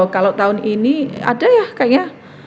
kalau tahun ini ada ya kayaknya